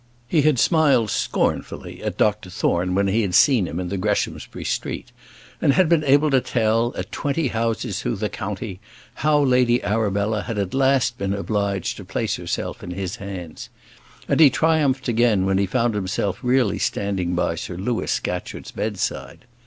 He had smiled scornfully at Dr Thorne when he had seen him in the Greshamsbury street; and had been able to tell, at twenty houses through the county, how Lady Arabella had at last been obliged to place herself in his hands. And he triumphed again when he found himself really standing by Sir Louis Scatcherd's bedside.